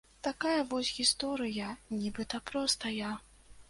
Такая вось гісторыя, нібыта простая.